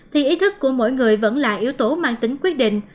thì ý thức của mỗi người vẫn là yếu tố mang tính quyết định